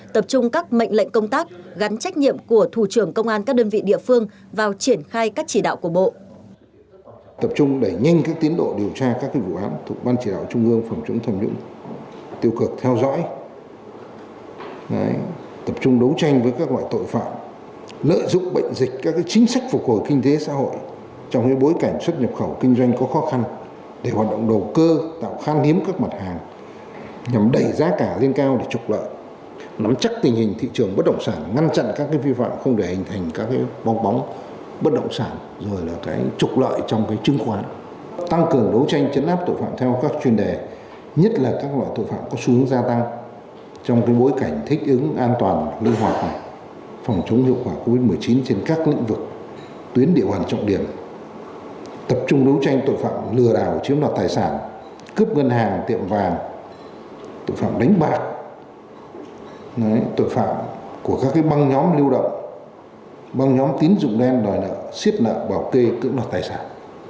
tập trung đấu tranh tội phạm lừa đảo chiếm nọt tài sản cướp ngân hàng tiệm vàng tội phạm đánh bạc tội phạm của các băng nhóm lưu động băng nhóm tín dụng đen đòi nợ xiếp nợ bảo kê cướp nọt tài sản